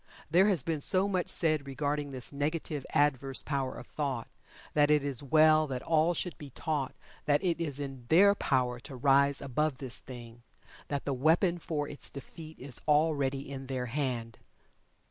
There has been so much said regarding this negative, adverse power of thought, that it is well that all should be taught that it is in their power to rise above this thing that the weapon for its defeat is already in their hand.